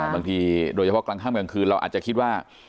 บางทีโดยเฉพาะกลางข้ามกลางคืนเราอาจจะคิดว่า